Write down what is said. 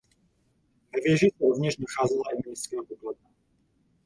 Ve věži se rovněž nacházela i městská pokladna.